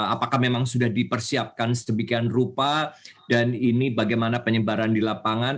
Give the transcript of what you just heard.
apakah memang sudah dipersiapkan sedemikian rupa dan ini bagaimana penyebaran di lapangan